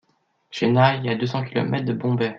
Chennai est à deux cents kilomètres de Bombay.